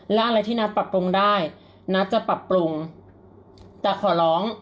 และอะไรที่นัทปรับปรุงได้นัทจะปรับปรุงแต่ขอร้อง